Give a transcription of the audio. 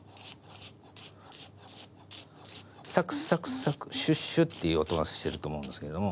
「サクサクサクシュッシュッ」っていう音がしてると思うんですけども。